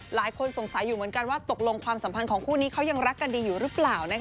หลายคนสงสัยอยู่เหมือนกันว่าตกลงความสัมพันธ์ของคู่นี้เขายังรักกันดีอยู่หรือเปล่า